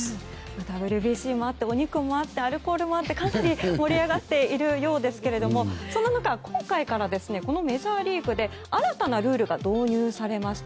ＷＢＣもあってお肉もあってアルコールもあって、かなり盛り上がっているようですがそんな中、今回からメジャーリーグで新たなルールが導入されました。